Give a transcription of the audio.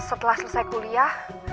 udah udah udah